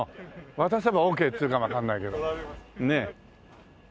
渡せばオーケーって言うかもわかんないけどねえ。